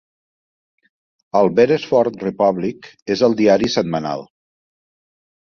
El "Beresford Republic" és el diari setmanal.